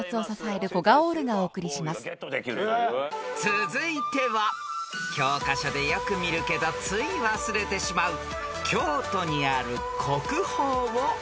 ［続いては教科書でよく見るけどつい忘れてしまう京都にある国宝をお答えください］